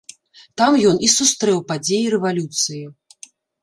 Там ён і сустрэў падзеі рэвалюцыі.